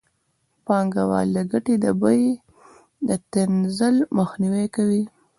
پانګوال د ګټې د بیې د تنزل مخنیوی کوي